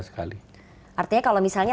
sekali artinya kalau misalnya